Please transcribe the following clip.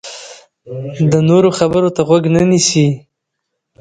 د نورو خبرو ته غوږ نه نیسي.